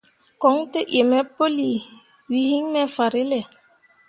Koɲ tǝ iŋ me pǝlii, we hyi me fahrelle.